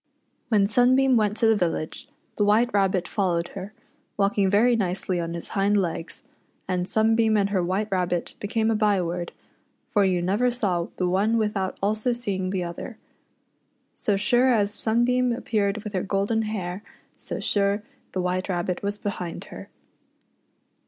When Sunbeam went to the village, the White Rabbit followed her, walking very nicely on his hind legs, and "Sunbeam and her White Rabbit " became a byword, for you never saw the one without also seeing the other. So sure as Sunbeam appeared with her golden hair, so sure the White Rabbit was behind her.